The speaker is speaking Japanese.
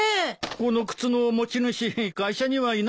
この靴の持ち主会社にはいなくてね。